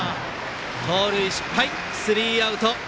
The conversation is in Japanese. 盗塁失敗、スリーアウト。